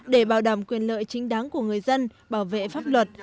để bảo đảm quyền lợi chính đáng của người dân bảo vệ pháp luật